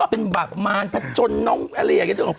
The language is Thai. เป็นบาปมานภาทจนอะไรอย่างนี้